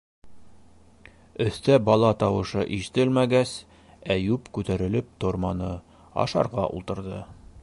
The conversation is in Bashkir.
Өҫтә бала тауышы ишетелмәгәс, Әйүп күтәрелеп торманы, ашарға ултырҙы.